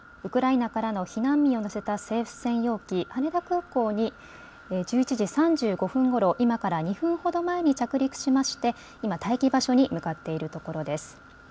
ウクライナからの避難民を乗せた政府専用機羽田空港に１１時３５分ごろ今から２分ほど前に着陸しまして今、待機場所に向かっているところです。